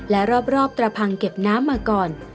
และรอบตระพังเก็บน้ำมาก่อน